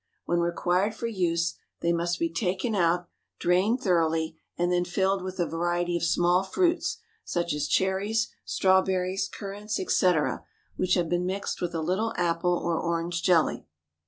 When required for use, they must be taken out, drained thoroughly, and then filled with a variety of small fruits, such as cherries, strawberries, currants, etc., which have been mixed with a little apple or orange jelly.